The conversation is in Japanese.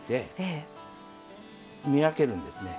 見分けるんですね。